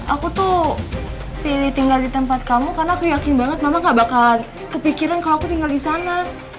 aku tuh pilih tinggal di tempat kamu karena aku yakin banget mama gak bakal kepikiran kalau aku tinggal di sana